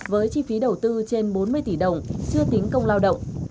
với chi phí đầu tư trên bốn mươi tỷ đồng chưa tính công lao động